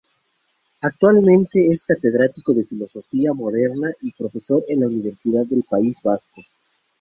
Actualmente es catedrático de Filosofía Moderna y profesor en la Universidad del País Vasco.